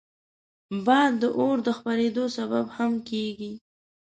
باد د اور د خپرېدو سبب هم کېږي